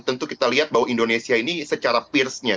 tentu kita lihat bahwa indonesia ini secara peersnya